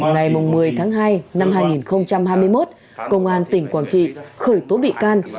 ngày một mươi tháng hai năm hai nghìn hai mươi một công an tỉnh quảng trị khởi tố bị can